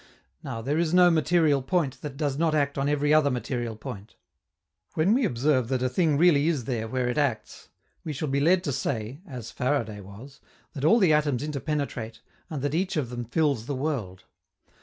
Now, there is no material point that does not act on every other material point. When we observe that a thing really is there where it acts, we shall be led to say (as Faraday was) that all the atoms interpenetrate and that each of them fills the world.